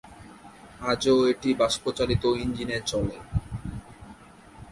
আজও এটি বাষ্পচালিত ইঞ্জিনে চলে।